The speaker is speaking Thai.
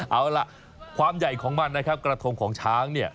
เอาล่ะความใหญ่ของมันนะครับกระทงของช้างเนี่ย